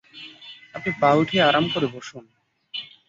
আপনি পা উঠিয়ে আরাম করে বসুন।